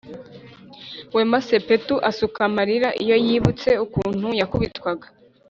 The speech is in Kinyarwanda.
Wema sepetu asuka amarira iyo yibutse ukuntu yakubitwaga